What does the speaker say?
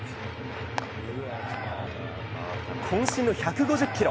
渾身の１５０キロ。